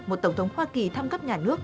một tổng thống hoa kỳ thăm cấp nhà nước